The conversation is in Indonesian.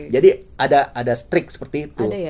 jadi ada strict seperti itu